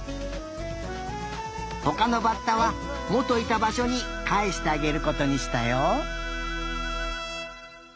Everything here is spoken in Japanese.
ほかのバッタはもといたばしょにかえしてあげることにしたよ。